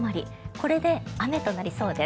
これで雨となりそうです。